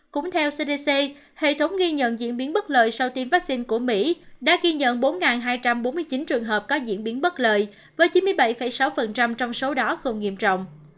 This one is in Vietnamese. cũng theo cdc hệ thống ghi nhận diễn biến bất lợi sau tiêm vaccine của mỹ đã ghi nhận bốn hai trăm bốn mươi chín trường hợp có diễn biến bất lợi với chín mươi bảy sáu trong số đó không nghiêm trọng